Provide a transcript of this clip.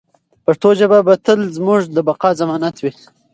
پښتو ژبه به تل زموږ د بقا ضمانت وي.